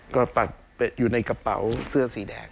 ก็ปักอยู่ในกระเป๋าเสื้อสีแดง